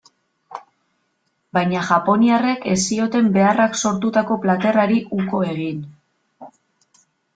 Baina japoniarrek ez zioten beharrak sortutako plater hari uko egin.